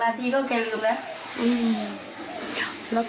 นาทีก็แกลืมแล้ว